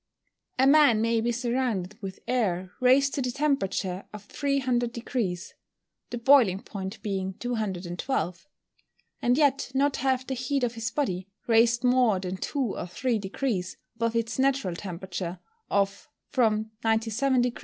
_ A man may be surrounded with air raised to the temperature of 300 deg. (the boiling point being 212), and yet not have the heat of his body raised more than two or three degrees above its natural temperature of from 97 deg.